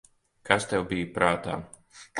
Kas tev bija prātā?